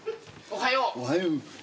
おはよう。